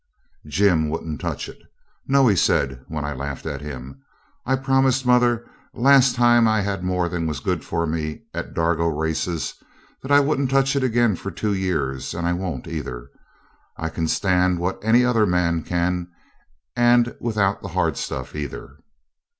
Jim wouldn't touch it. 'No,' he said, when I laughed at him, 'I promised mother last time I had more than was good for me at Dargo Races that I wouldn't touch it again for two years; and I won't either. I can stand what any other man can, and without the hard stuff, either.'